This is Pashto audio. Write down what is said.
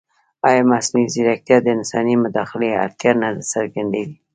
ایا مصنوعي ځیرکتیا د انساني مداخلې اړتیا نه څرګندوي؟